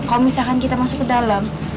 kalau misalkan kita masuk ke dalam